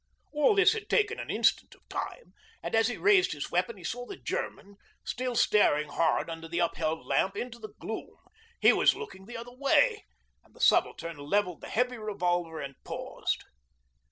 All this had taken an instant of time, and as he raised his weapon he saw the German still staring hard under the upheld lamp into the gloom. He was looking the other way, and the Subaltern levelled the heavy revolver and paused.